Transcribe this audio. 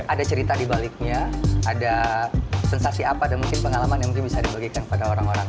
ada cerita di baliknya ada sensasi apa dan mungkin pengalaman yang mungkin bisa dibagikan pada orang orang